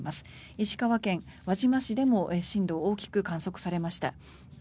石川県輪島市でも震度が大きく観測されました。